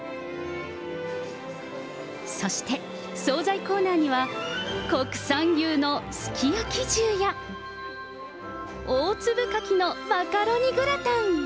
そして、総菜コーナーには、国産牛のすき焼き重や、大粒カキのマカロニグラタン。